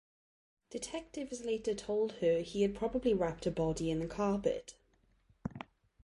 Detectives later told her he had probably wrapped a body in the carpet.